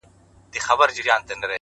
کلونه کيږي چي ولاړه يې روانه نه يې ـ